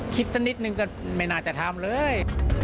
คิดสักนิดนึงก็ไม่น่าจะทำเลย